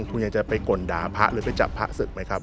คุณยังจะไปก่นด่าพระหรือไปจับพระศึกไหมครับ